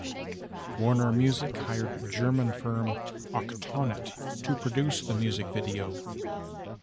Warner Music hired German firm Oktonet to produce the music video.